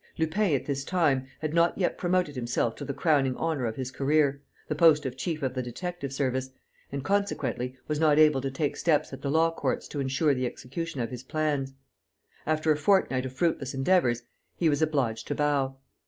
Lupin, at this time, had not yet promoted himself to the crowning honour of his career, the post of chief of the detective service,[A] and, consequently, was not able to take steps at the Law Courts to insure the execution of his plans. After a fortnight of fruitless endeavours, he was obliged to bow.